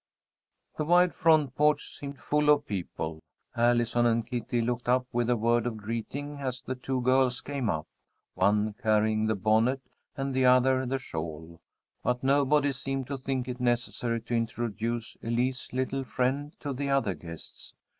The wide front porch seemed full of people. Allison and Kitty looked up with a word of greeting as the two girls came up, one carrying the bonnet and the other the shawl, but nobody seemed to think it necessary to introduce Elise's little friend to the other guests.